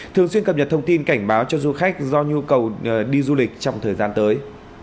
thường xuyên cập nhật thông tin cảnh báo cho du khách do nhu cầu đi du lịch trong thời gian tới